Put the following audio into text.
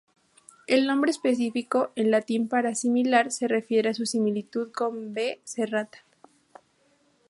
El nombre específico, en latín para "similar", se refiere a su similitud con "B.serrata.